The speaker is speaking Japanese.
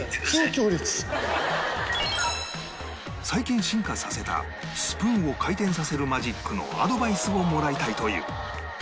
最近進化させたスプーンを回転させるマジックのアドバイスをもらいたいという